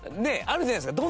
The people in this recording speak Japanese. あるじゃないですか。